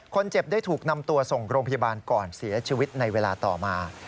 คนเจ็บได้ถูกนำตัวส่งโรงพยาบาลก่อนเสียชีวิตในเวลาต่อมา